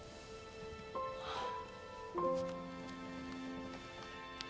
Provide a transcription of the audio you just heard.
ああ。